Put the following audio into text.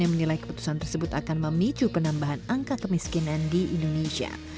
yang menilai keputusan tersebut akan memicu penambahan angka kemiskinan di indonesia